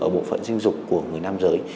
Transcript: ở bộ phận sinh dục của người nam giới